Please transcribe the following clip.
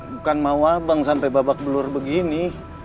bukan mau abang sampai babak belur begini